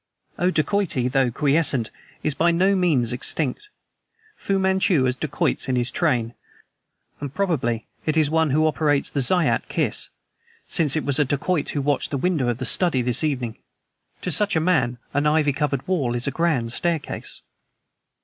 Oh, dacoity, though quiescent, is by no means extinct. Fu Manchu has dacoits in his train, and probably it is one who operates the Zayat Kiss, since it was a dacoit who watched the window of the study this evening. To such a man an ivy covered wall is a grand staircase."